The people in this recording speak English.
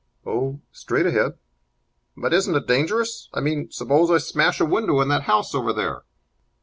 "Oh, straight ahead." "But isn't it dangerous? I mean, suppose I smash a window in that house over there?"